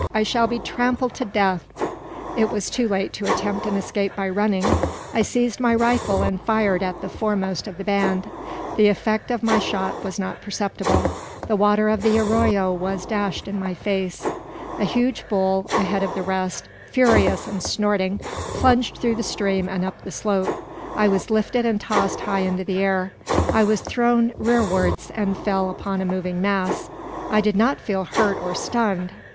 I shall be trampled to death!" It was too late to attempt an escape by running. I seized my rifle and fired at the foremost of the band. The effect of my shot was not perceptible. The water of the arroyo was dashed in my face. A huge bull, ahead of the rest, furious and snorting, plunged through the stream and up the slope. I was lifted and tossed high into the air. I was thrown rearwards, and fell upon a moving mass. I did not feel hurt or stunned.